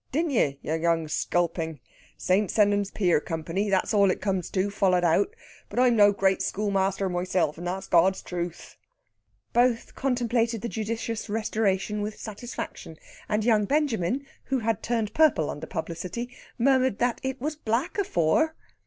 Didn't ye, ye young sculping? St. Sennans Pier Company, that's all it comes to, followed out. But I'm no great schoolmaster myself, and that's God's truth." Both contemplated the judicious restoration with satisfaction; and young Benjamin, who had turned purple under publicity, murmured that it was black afower.